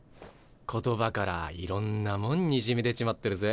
言葉からいろんなもんにじみ出ちまってるぜ。